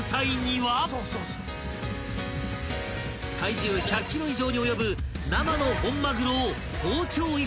［体重１００ｋｇ以上に及ぶ生の本まぐろを包丁１本］